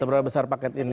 seberapa besar paket ini